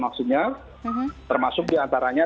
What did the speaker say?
maksudnya termasuk diantaranya